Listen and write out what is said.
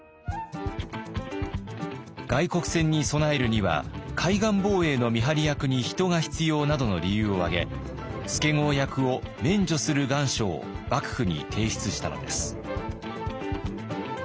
外国船に備えるには海岸防衛の見張り役に人が必要などの理由を挙げ助郷役を免除する願書を幕府に提出したのです。